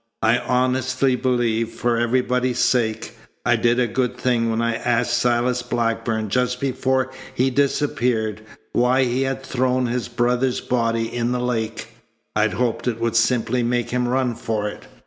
I honestly believe, for everybody's sake, I did a good thing when I asked Silas Blackburn just before he disappeared why he had thrown his brother's body in the lake. I'd hoped it would simply make him run for it.